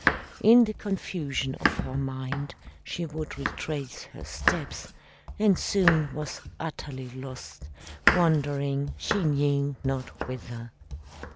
In the confusion of her mind she would retrace her steps, and soon was utterly lost, wandering she knew not whither.